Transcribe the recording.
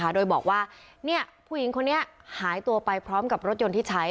โดยบอกว่าผู้หญิงคนนี้หายตัวไปพร้อมกับรถยนต์ที่ใช้